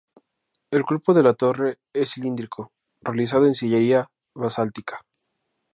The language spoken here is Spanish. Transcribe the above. El cuerpo de la torre es cilíndrico, realizado en sillería basáltica.